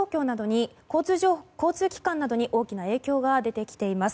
交通機関などに大きな影響が出てきています。